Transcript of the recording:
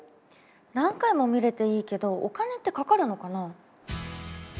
何回も見れていいけどお金ってかかるのかな？